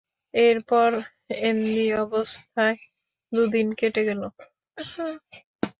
এরপর এমনি অবস্থায় দুদিন কেটে গেল।